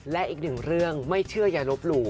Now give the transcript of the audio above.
และอีก๑เรื่องไม่เชื่ออย่ารบหรู